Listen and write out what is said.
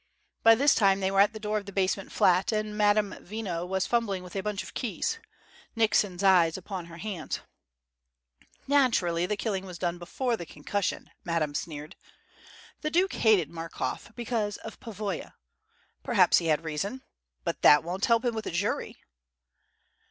By this time they were at the door of the basement flat, and Madame Veno was fumbling with a bunch of keys, Nickson's eyes upon her hands. "Naturally the killing was done before the concussion," Madame sneered. "The Duke hated Markoff because of Pavoya. Perhaps he had reason. But that won't help him with a jury!"